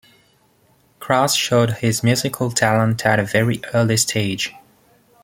Kraus showed his musical talent at a very early stage.